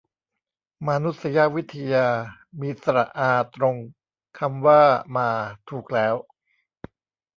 มานุษยวิทยา มีสระอาตรงคำว่ามาถูกแล้ว